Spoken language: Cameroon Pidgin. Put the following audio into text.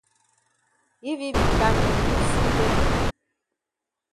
If yi be kam yi for see pepper.